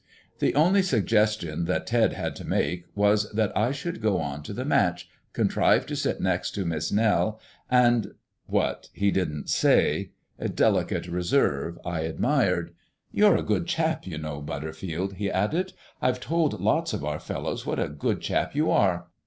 The only suggestion Ted had to make was that I should go to the match, contrive to sit next to Miss Nell, and what, he didn't say; a delicate reserve I admired. "You're a good chap, you know, Butterfield," he added. "I've told lots of our fellows what a good chap you are.